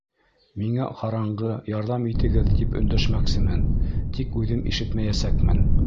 — Миңә ҡараңғы, ярҙам итегеҙ!- тип өндәшәсәкмен, тик үҙем ишетмәйәсәкмен.